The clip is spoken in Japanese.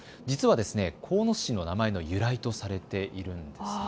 実は、鴻巣市の名前の由来とされているんです。